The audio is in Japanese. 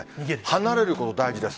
離れることが大事です。